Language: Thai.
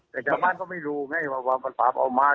แต่ชาวบ้านก็ไม่รู้ไงว่าฝาวเอามา